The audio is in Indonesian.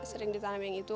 sering ditanam yang itu